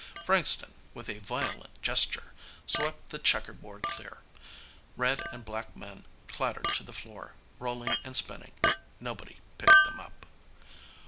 Frankston, with a violent gesture, swept the checker board clean. Red and black men clattered to the floor, rolling and spinning. Nobody picked them up.